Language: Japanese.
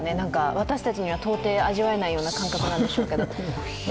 私たちには到底味わえないような感覚なんでしょうけど。